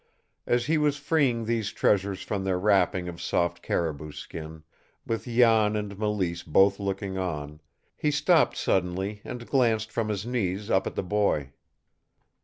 As he was freeing these treasures from their wrapping of soft caribou skin, with Jan and Mélisse both looking on, he stopped suddenly and glanced from his knees up at the boy.